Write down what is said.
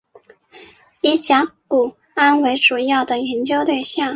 以甲钴胺为主要的研究对象。